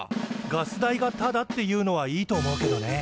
ガス代がタダっていうのはいいと思うけどね。